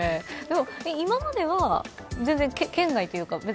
今までは全然圏外というか？